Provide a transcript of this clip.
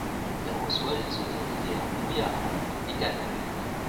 Elle reçoit les eaux des rivières Bouyaha et Canot.